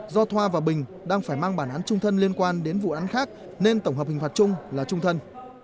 do thoa và bình đang phải mang bản án trung thân liên quan đến vụ án khác nên tổng hợp hình phạt chung là trung thân